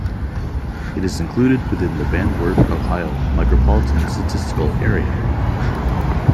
It is included within the Van Wert, Ohio Micropolitan Statistical Area.